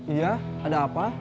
iya ada apa